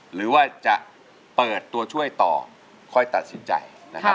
หรือว่าจะเปิดตัวช่วยต่อค่อยตัดสินใจนะครับ